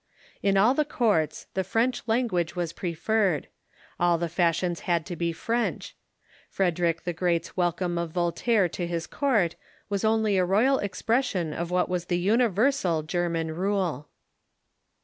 In all the courts the French language was preferred. All the fashions had to be French. Frederick the Great's welcome of Voltaire to his court was only a royal expression of what was the universal German rule.